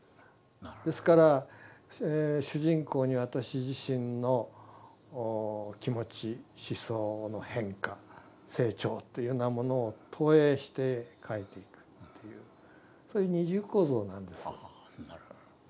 ですから主人公に私自身の気持ち思想の変化成長というようなものを投影して書いていくっていうそういう二重構造なんです。